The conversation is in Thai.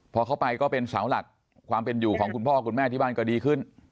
พอเข้าไปก็เป็นเสาหลักความเป็นอยู่ของคุณพ่อคุณแม่ที่บ้านก็ดีขึ้น